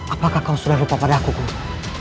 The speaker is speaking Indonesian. apakah kau sudah lupa padaku guru